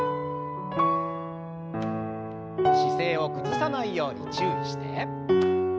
姿勢を崩さないように注意して。